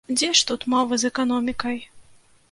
Дзе ж тут мова з эканомікай?